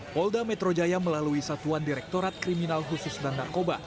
polda metro jaya melalui satuan direktorat kriminal khusus dan narkoba